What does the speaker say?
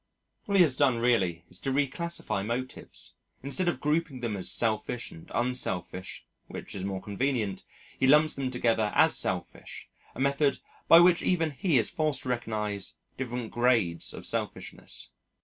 All he has done really is to reclassify motives instead of grouping them as selfish and unselfish (which is more convenient) he lumps them together as selfish, a method by which even he is forced to recognise different grades of selfishness.